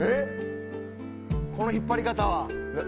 この引っぱり方は。